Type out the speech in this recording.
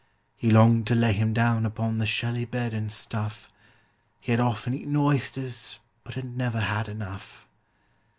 He longed to lay him down upon the shelly bed, and stuff: He had often eaten oysters, but had never had enough.